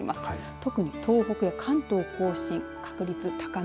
特に、東北や関東甲信確率、高め。